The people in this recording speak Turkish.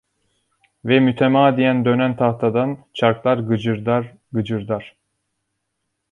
Ve mütemadiyen dönen tahtadan çarklar gıcırdar, gıcırdar.